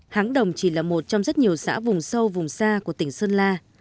háng đồng chỉ là một trong rất nhiều xã vùng sâu vùng xa của tỉnh sơn la